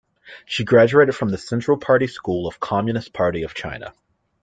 She graduated from the Central Party School of Communist Party of China.